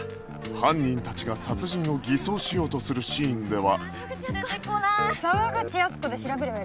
犯人たちが殺人を偽装しようとするシーンでは